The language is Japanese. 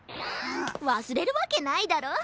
わすれるわけないだろ。